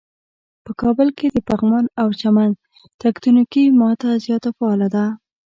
په کابل کې د پغمان او چمن تکتونیکی ماته زیاته فعاله ده.